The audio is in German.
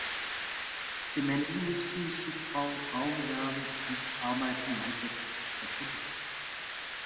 Zementindustrie, Schiffbau, Baugewerbe und Verarbeitung landwirtschaftlicher Produkte.